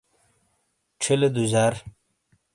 چھیلے دُجار